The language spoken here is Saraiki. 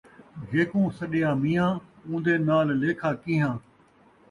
جیکوں سݙیا میاں ، اون٘دے نال لیکھا کیہاں